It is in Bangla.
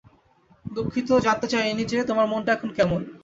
দুঃখিত, জানতে চাই নি যে, তোমার মনটা এখন কেমন?